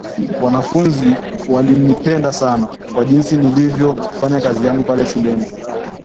"Wanafunzi walinipenda sana kwa jinsi nilivyofanya kazi yangu pale shuleni"